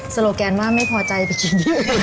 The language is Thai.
โลแกนว่าไม่พอใจไปกิน